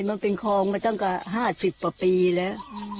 มันเป็นคลองมันต้องกระห้าสิบป่ะปีแล้ว